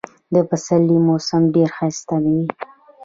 د پسرلي موسم ډېر ښایسته وي.